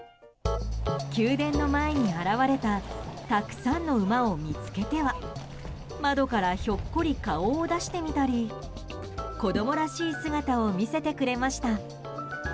宮殿の前に現れたたくさんの馬を見つけては窓からひょっこり顔を出してみたり子供らしい姿を見せてくれました。